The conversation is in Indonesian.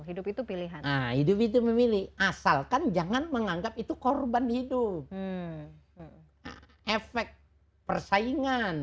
hidup itu pilihan hidup itu memilih asalkan jangan menganggap itu korban hidup efek persaingan